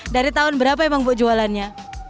dari tahun berapa emang buk jualannya